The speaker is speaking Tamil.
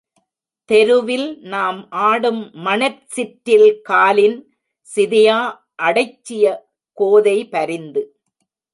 தெருவில் நாம் ஆடும் மணற் சிற்றில் காலின் சிதையா அடைச்சிய கோதை பரிந்து.